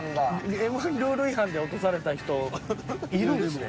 Ｍ−１ルール違反で落とされた人いるんすね。